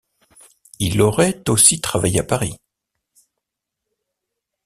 Il aurait aussi travaillé à Paris.